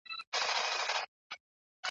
کله دې خوا کله ها خوا په ځغستا سو !.